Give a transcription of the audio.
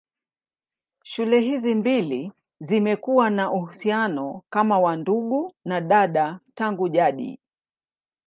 Shule hizi mbili zimekuwa na uhusiano kama wa ndugu na dada tangu jadi.